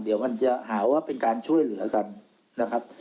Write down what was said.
เดี๋ยวมันจะหาว่าเป็นการช่วยเหลือกันนะครับ